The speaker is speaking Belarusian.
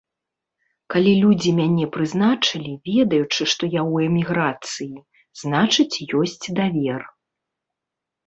Калі людзі мяне прызначылі, ведаючы, што я ў эміграцыі, значыць, ёсць давер.